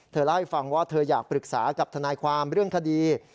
เล่าให้ฟังว่าเธออยากปรึกษากับทนายความเรื่องคดี